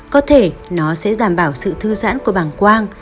có thể nó sẽ giảm bảo sự thư giãn của băng quang